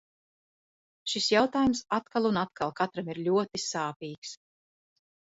Šis jautājums atkal un atkal katram ir ļoti sāpīgs.